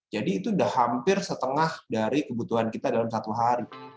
jadi itu sudah hampir setengah dari kebutuhan kita dalam satu hari